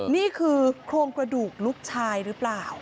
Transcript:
นี่คือโครงกระดูกลูกชายหรือเปล่า